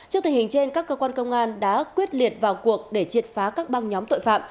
trước tình hình trên các cơ quan công an đã quyết liệt vào cuộc để triệt phá các băng nhóm tội phạm